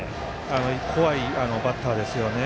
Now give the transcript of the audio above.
怖いバッターですよね。